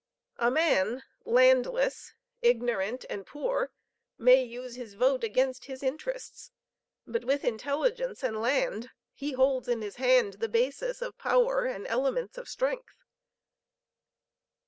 A man landless, ignorant and poor may use the vote against his interests; but with intelligence and land he holds in his hand the basis of power and elements of strength."